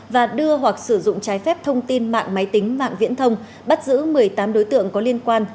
và đưa hoặc sử dụng trái phép thông tin mạng máy tính mạng viễn thông bắt giữ một mươi tám đối tượng có liên quan